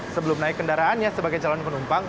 sebelum naik kendaraannya sebagai calon penumpang